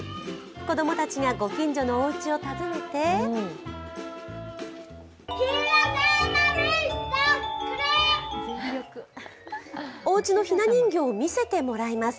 子供たちがご近所のおうちを訪ねておうちのひな人形を見せてもらいます。